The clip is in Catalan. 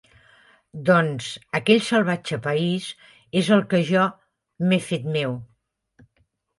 Doncs, aquell salvatge país és el que jo m'he fet meu…